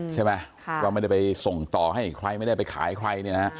ใช่ไหมเราไม่ได้ไปส่งต่อให้ใครไม่ได้ไปขายใคร